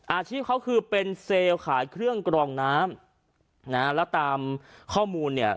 อาชีพเขาคือเป็นเซลล์ขายเครื่องกรองน้ำนะฮะแล้วตามข้อมูลเนี่ย